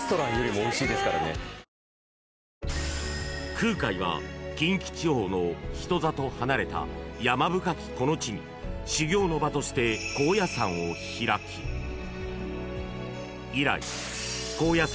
［空海は近畿地方の人里離れた山深きこの地に修行の場として高野山を開き以来］